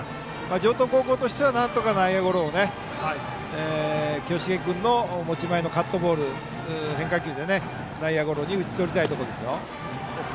城東高校はなんとか清重君の持ち前のカットボール、変化球で内野ゴロに打ち取りたいです。